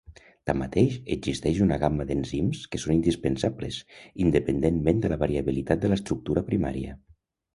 Tanmateix, existeix una gamma d'enzims que són indispensables, independentment de la variabilitat de l'estructura primària.